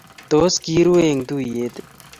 Tos kiirue eng tuiyet ii?